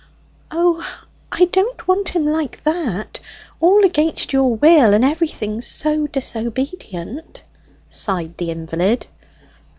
"O, I don't want him like that; all against your will, and everything so disobedient!" sighed the invalid.